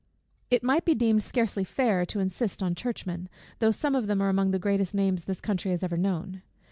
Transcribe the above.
It might be deemed scarcely fair to insist on Churchmen, though some of them are among the greatest names this country has ever known.